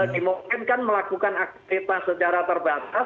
dimungkinkan melakukan aktivitas secara terbatas